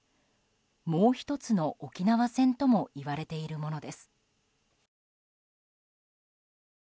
もう１つの沖縄戦ともいわれているものです。